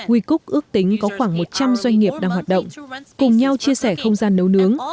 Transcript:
wecook ước tính có khoảng một trăm linh doanh nghiệp đang hoạt động cùng nhau chia sẻ không gian nấu nướng